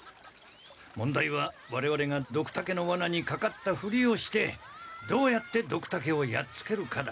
問題はわれわれがドクタケのワナにかかったふりをしてどうやってドクタケをやっつけるかだ。